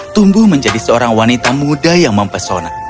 tumbuh menjadi seorang wanita muda yang mempesona